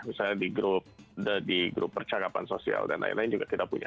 misalnya di grup percakapan sosial dan lain lain juga kita punya